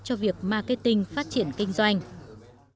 cho việc marketing phát triển kinh doanh